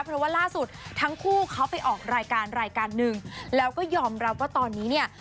เพราะว่าล่าสุดทั้งคู่เขาไปออกรายการรายการหนึ่งแล้วก็ยอมรับว่าตอนนี้เนี่ย